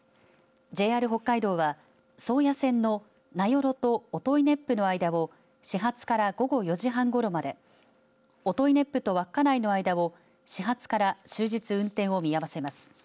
ＪＲ北海道は宗谷線の名寄と音威子府の間を始発から午後４時半ごろまで音威子府と稚内の間を始発から終日運転を見合わせます。